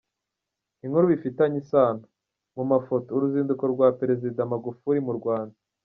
Inkuru bifitanye isano: Mu mafoto: Uruzinduko rwa Perezida Magufuli mu Rwanda.